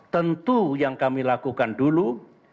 tentu yang kami lakukan dulu